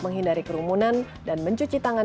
menghindari kerumunan dan mencuci tangan